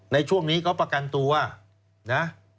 ในช่วงนี้เขาประกันตัวนะ